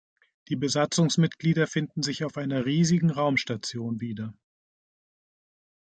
Die Besatzungsmitglieder finden sich auf einer riesigen Raumstation wieder.